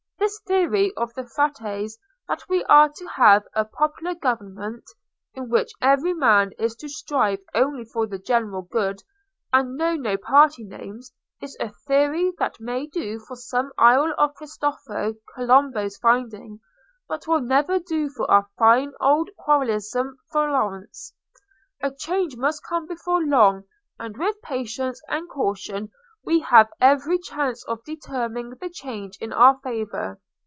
This theory of the Frate's, that we are to have a popular government, in which every man is to strive only for the general good, and know no party names, is a theory that may do for some isle of Cristoforo Colombo's finding, but will never do for our fine old quarrelsome Florence. A change must come before long, and with patience and caution we have every chance of determining the change in our favour.